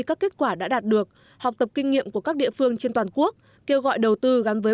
các kết quả đã đạt được học tập kinh nghiệm của các địa phương trên toàn quốc kêu gọi đầu tư gắn với